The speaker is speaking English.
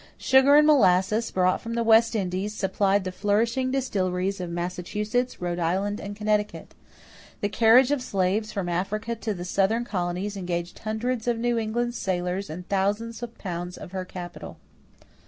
Sugar and molasses, brought from the West Indies, supplied the flourishing distilleries of Massachusetts, Rhode Island, and Connecticut. The carriage of slaves from Africa to the Southern colonies engaged hundreds of New England's sailors and thousands of pounds of her capital.